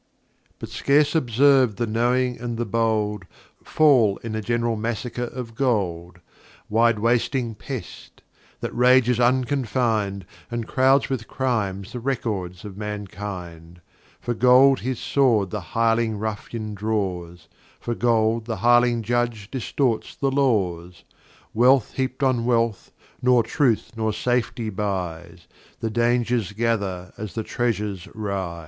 [Footnote a: Ver. 1 11.] [b]But scarce observ'd the Knowing and the Bold, Fall in the general Massacre of Gold; Wide wasting Pest! that rages unconfin'd, And crouds with Crimes the Records of Mankind, For Gold his Sword the Hireling Ruffian draws, For Gold the hireling Judge distorts the Laws; Wealth heap'd on Wealth, nor Truth nor Safety buys, The Dangers gather as the Treasures rise.